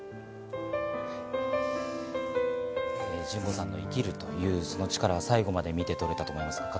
順子さんの生きるというその力、最後まで見て取れたと思います。